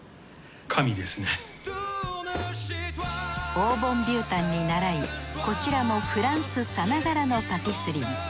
オー・ボン・ヴュー・タンにならいこちらもフランスさながらのパティスリー。